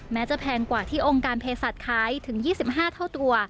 แม้จะแพงกว่าที่องค์การเพศสัตว์ขายถึง๒๕เท่าตัว